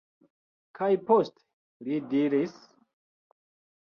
Kaj poste li diris: